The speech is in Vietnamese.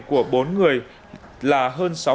của bốn người là hơn